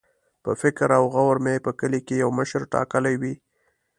په فکر او غور مو په کلي کې یو مشر ټاکلی وي.